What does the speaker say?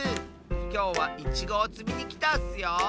きょうはイチゴをつみにきたッスよ！